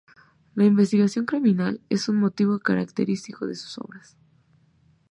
La investigación criminal es un motivo característico de sus obras.